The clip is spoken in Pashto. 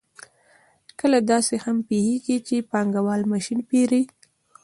کله داسې هم پېښېږي چې پانګوال ماشین پېري